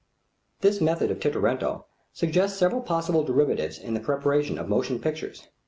This method of Tintoretto suggests several possible derivatives in the preparation of motion pictures.